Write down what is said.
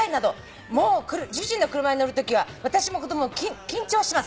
「もう主人の車に乗るときは私も子供も緊張します」